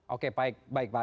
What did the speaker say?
oke baik pak